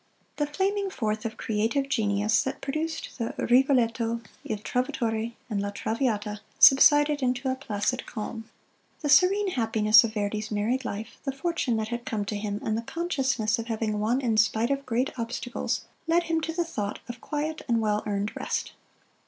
The flaming forth of creative genius that produced the "Rigoletto," "Il Trovatore," and "La Traviata," subsided into a placid calm. The serene happiness of Verdi's married life, the fortune that had come to him, and the consciousness of having won in spite of great obstacles, led him to the thought of quiet and well earned rest.